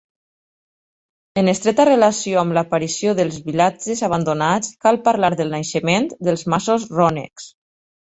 En estreta relació amb l'aparició dels vilatges abandonats, cal parlar del naixement dels masos rònecs.